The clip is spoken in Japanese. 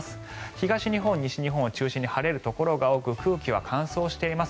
東に日本、西日本を中心に晴れるところが多く空気は乾燥しています。